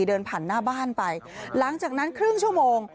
เดินผ่านหน้าบ้านไปหลังจากนั้นครึ่งชั่วโมง